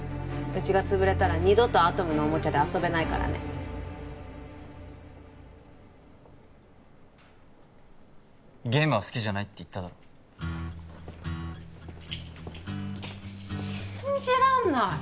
うちが潰れたら二度とアトムのおもちゃで遊べないからねゲームは好きじゃないって言っただろ信じらんない！